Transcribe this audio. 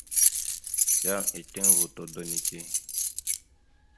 Yan eteŋ voto da neke.